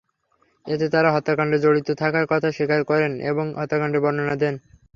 এতে তাঁরা হত্যাকাণ্ডে জড়িত থাকার কথা স্বীকার করেন এবং হত্যাকাণ্ডের বর্ণনা দেন।